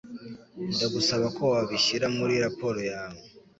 Ndagusaba ko wabishyira muri raporo yawe.